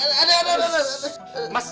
pak permanent dalam kamar